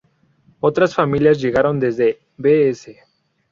Otras familias llegaron desde Bs.